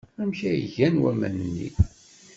Amek ay gan waman-nni?